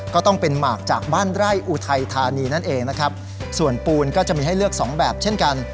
ก็ต้องเป็นหมากจากบ้านไร่อุทัยธานีนั่นเองนะครับส่วนปูนก็จะมีให้เลือกสองแบบเช่นกัน